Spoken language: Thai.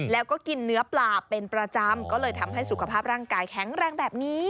แล้วก็กินเนื้อปลาเป็นประจำก็เลยทำให้สุขภาพร่างกายแข็งแรงแบบนี้